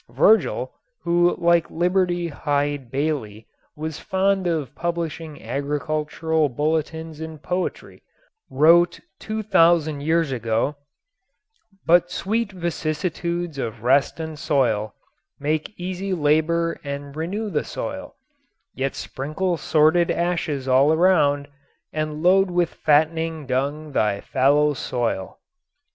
Virgil, who like Liberty Hyde Bailey was fond of publishing agricultural bulletins in poetry, wrote two thousand years ago: But sweet vicissitudes of rest and toil Make easy labor and renew the soil Yet sprinkle sordid ashes all around And load with fatt'ning dung thy fallow soil.